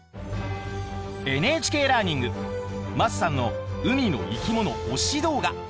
ＮＨＫラーニング桝さんの海の生き物推し動画。